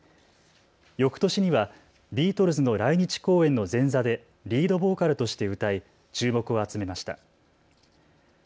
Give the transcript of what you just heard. よくとしにはビートルズの来日公演の前座でリードボーカルとして歌い注目を集めました。